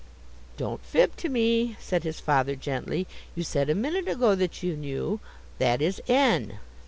"Don't fib to me," said his father, gently, "you said a minute ago that you knew. That is N."